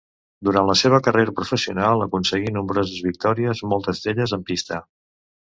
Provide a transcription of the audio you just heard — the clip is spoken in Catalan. Durant la seva carrera professional aconseguí nombroses victòries, moltes d'elles en pista.